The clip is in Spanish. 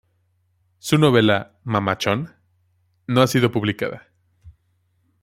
Su novela "Mamá Chon" no ha sido publicada.